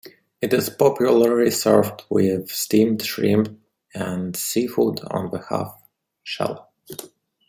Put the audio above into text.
It is popularly served with steamed shrimp and seafood on the half shell.